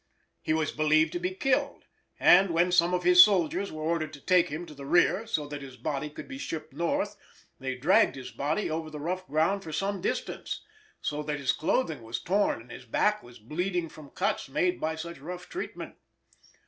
He was believed to be killed, and when some of his soldiers were ordered to take him to the rear, so that his body could be shipped North, they dragged his body over the rough ground for some distance, so that his clothing was torn and his back was bleeding from cuts made by such rough treatment.